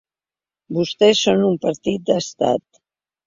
Vostès són un partit d’estat.